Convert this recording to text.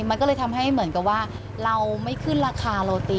มันก็เลยทำให้เหมือนกับว่าเราไม่ขึ้นราคาโรตี